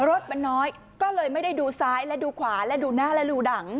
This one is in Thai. รถมันน้อยก็เลยไม่ได้ดูซ้ายและดูขวาและดูหน้าและดูหนัง